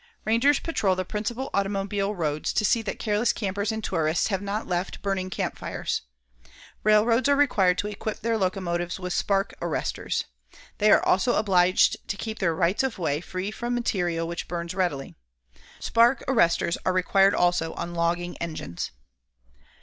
Rangers patrol the principal automobile roads to see that careless campers and tourists have not left burning campfires. Railroads are required to equip their locomotives with spark arresters. They also are obliged to keep their rights of way free of material which burns readily. Spark arresters are required also on logging engines.